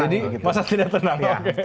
jadi masa tidak tenang